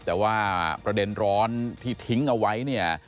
แต่ว่าประเด็นร้อนที่ทิ้งเอาไว้เนี่ย